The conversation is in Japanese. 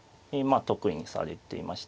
得意にされていまして。